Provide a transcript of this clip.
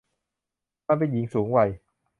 มันเป็นหญิงสูงวัย